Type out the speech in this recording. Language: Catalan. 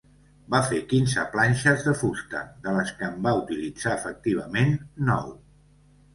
Va fer quinze planxes de fusta, de les que en va utilitzar efectivament nou.